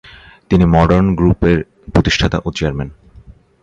তিনি মডার্ন গ্রুপের প্রতিষ্ঠাতা ও চেয়ারম্যান।